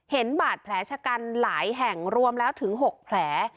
เห็นบาดแผลชะกันหลายแห่งรวมแล้วถึง๖แผล